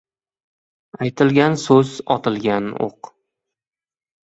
• Aytilgan so‘z ― otilgan o‘q.